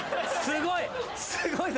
すごいぞ。